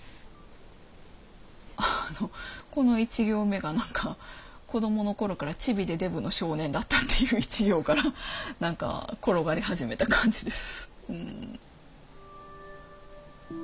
あのこの１行目が何か「子供のころからチビでデブの少年だった」っていう一行から何か転がり始めた感じです。